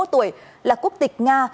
bốn mươi một tuổi là quốc tịch nga